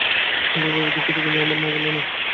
আন্তরিকভাবে দুঃখিত, কিন্তু আমার না গেলেই না।